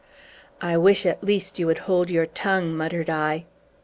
"I wish, at least, you would hold your tongue," muttered I.